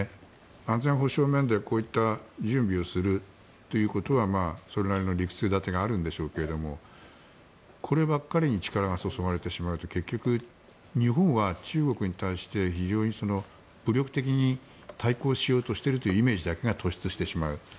安全保障面で、こういった準備をするということはそれなりの理屈立てがあるんでしょうけれどもこればっかりに力がそそがれてしまうと結局、日本は中国に対して非常に武力的に対抗しようとしているイメージだけが突出してしまう。